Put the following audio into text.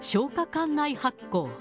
管内発酵。